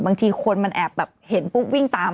บางทีคนมันแอบแบบเห็นปุ๊บวิ่งตาม